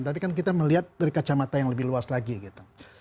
tapi kan kita melihat dari kacamata yang lebih luas lagi gitu